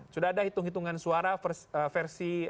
sudah ada hitung hitungan suara versi